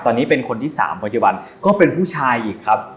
ตอนนี้เป็นคนที่๓ปัจจุบันก็เป็นผู้ชายอีกครับ